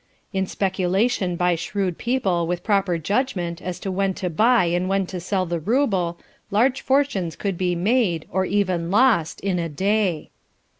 In speculation by shrewd people with proper judgment as to when to buy and when to sell the rouble, large fortunes could be made, or even lost, in a day.